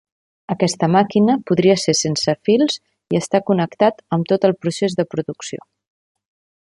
Aquesta màquina podria ser sense fils i estar connectat amb tot el procés de producció.